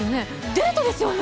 デートですよね！？